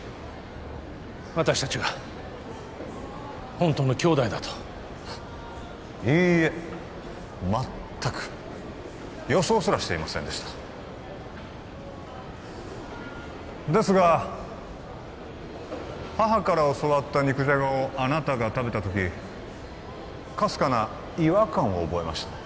私達がホントの兄弟だといいえまったく予想すらしていませんでしたですが母から教わった肉じゃがをあなたが食べた時かすかな違和感を覚えました